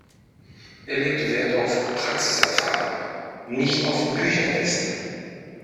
Er legt wert auf Praxiserfahrung, nicht auf Bücherwissen.